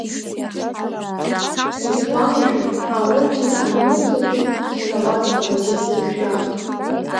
Исгәалашәон аорден аниоуз атәы зҳәауаз агазеҭ цыԥжәаха.